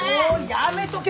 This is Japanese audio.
やめとけ。